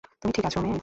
তুমি ঠিক আছো, মেয়ে?